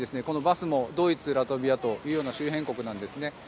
今のバスもドイツ、ラトビアといった周辺国なんですね。